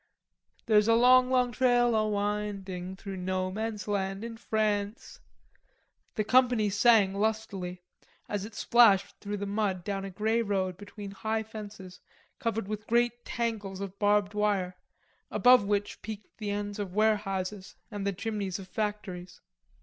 "There's a long, long trail a winding Through no man's land in France." The company sang lustily as it splashed through the mud down a grey road between high fences covered with great tangles of barbed wire, above which peeked the ends of warehouses and the chimneys of factories.